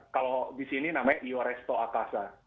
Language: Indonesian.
kalau di sini namanya ioresto akasa